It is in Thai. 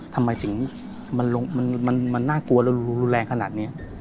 ทำไมถึงมันน่ากลัวแล้วรุนแรงขนาดนี้